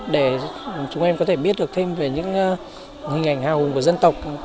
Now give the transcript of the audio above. để chúng em có thể biết được thêm về những hình ảnh hào hùng của dân tộc